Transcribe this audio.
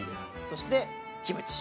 そしてキムチ。